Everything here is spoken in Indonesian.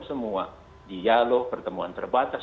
semua dialog pertemuan terbatas